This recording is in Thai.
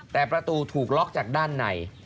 แต่ประตูถูกล็อกจากด้านใน